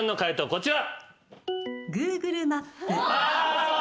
こちら。